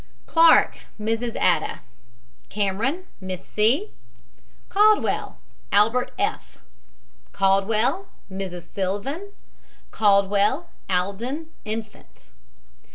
CLARKE, MRS. ADA. CAMERON, MISS. C. CALDWELL, ALBERT F. CALDWELL, MRS. SYLVAN CALDWELL, ALDEN, infant.